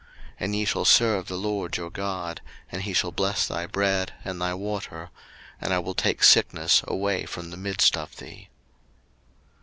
02:023:025 And ye shall serve the LORD your God, and he shall bless thy bread, and thy water; and I will take sickness away from the midst of thee.